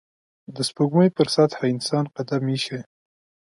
د سپوږمۍ پر سطحه انسان قدم ایښی